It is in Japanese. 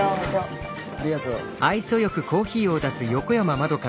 ありがとう。